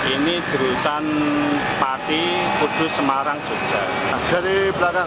ini jurusan pati kudus semarang jogja